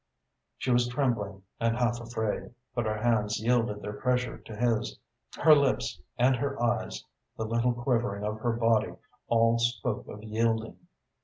She was trembling and half afraid, but her hands yielded their pressure to his. Her lips and her eyes, the little quivering of her body, all spoke of yielding.